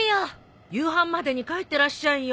夕飯までに帰ってらっしゃいよ。